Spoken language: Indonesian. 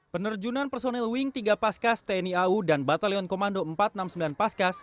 penerjunan personil wing tiga paskas tni au dan batalion komando empat ratus enam puluh sembilan paskas